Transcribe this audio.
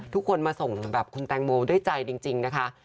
ทุกคนมาส่งแบบคุณแตงโมด้วยใจจริงนะคะ